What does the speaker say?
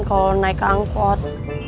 kalau lo naik ke angkot